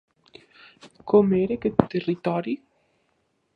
Com era aquest territori?